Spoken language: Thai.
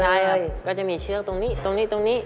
ใช่ครับก็จะมีเชือกตรงนี้ตรงนี้ตรงนี้